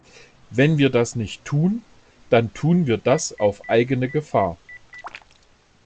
Wenn wir das nicht tun, dann tun wir das auf eigene Gefahr.